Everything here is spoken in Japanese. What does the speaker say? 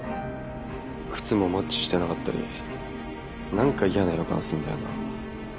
靴もマッチしてなかったり何か嫌な予感するんだよな。